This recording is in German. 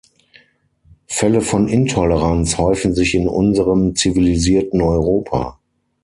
Fälle von Intoleranz häufen sich in unserem zivilisierten Europa.